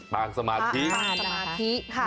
ปางสมาธิ